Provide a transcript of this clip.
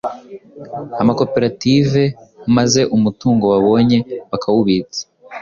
amakoperative maze umutungo babonye bakawubitsa,